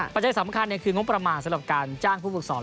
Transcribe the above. จัยสำคัญคืองบประมาณสำหรับการจ้างผู้ฝึกสอน